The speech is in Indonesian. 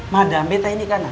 madam beta ini kan haus